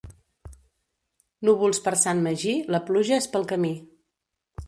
Núvols per Sant Magí, la pluja és pel camí.